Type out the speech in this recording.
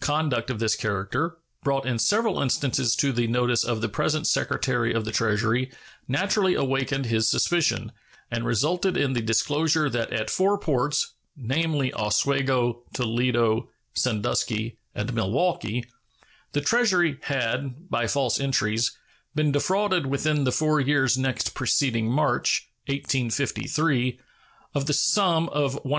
Conduct of this character, brought in several instances to the notice of the present Secretary of the Treasury, naturally awakened his suspicion, and resulted in the disclosure that at four ports namely, Oswego, Toledo, Sandusky, and Milwaukee the Treasury had, by false entries, been defrauded within the four years next preceding March, 1853, of the sum of $198,000.